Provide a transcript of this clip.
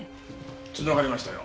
つながりましたよ。